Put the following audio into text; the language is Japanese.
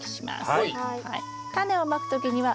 はい。